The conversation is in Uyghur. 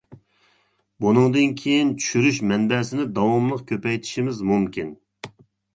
بۇنىڭدىن كىيىن، چۈشۈرۈش مەنبەسىنى داۋاملىق كۆپەيتىشىمىز مۇمكىن.